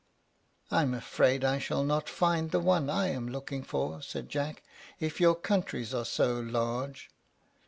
"I am afraid I shall not find the one I am looking for," said Jack, "if your countries are so large."